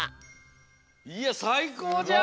いやさいこうじゃん！